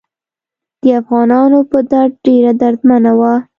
د افغانانو په درد ډیره دردمنه وه.